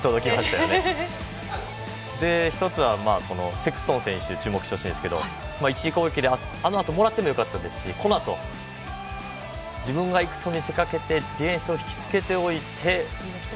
１つは、セクストン選手に注目してほしいんですが１次攻撃であのあともらってもよかったですしこのあと自分がいくと見せかけてディフェンスを引きつけておいて。